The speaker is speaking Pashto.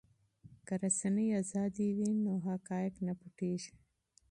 که میډیا ازاده وي نو حقایق نه پټیږي.